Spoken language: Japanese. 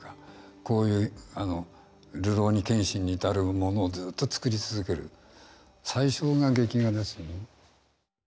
こういう「るろうに剣心」に至るものをずっと作り続ける最初が劇画ですよね。